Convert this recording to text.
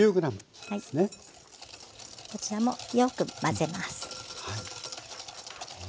こちらもよく混ぜます。